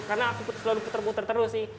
karena aku selalu puter puter terus sih